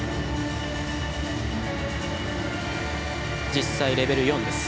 実際レベル４です。